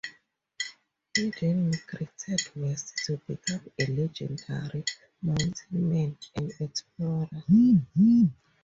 He then migrated west to become a legendary "mountain man" and explorer.